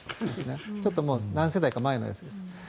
ちょっと何世代か前のやつです。